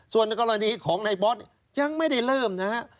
ส่วนในกรณีของในบอสยังไม่ได้เริ่มนะฮะ